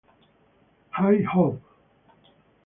High Hope!